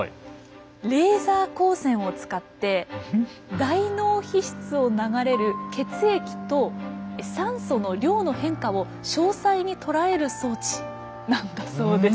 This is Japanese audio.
レーザー光線を使って大脳皮質を流れる血液と酸素の量の変化を詳細に捉える装置なんだそうです。